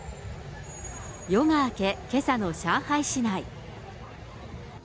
夜が明け、けさの上海市内。